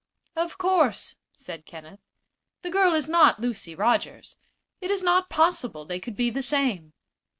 "Of course," said Kenneth, "the girl is not Lucy Rogers. It is not possible they could be the same."